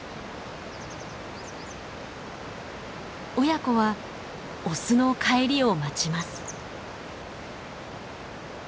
親子はオスの帰りを待ちます。